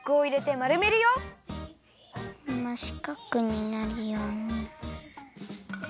ましかくになるように。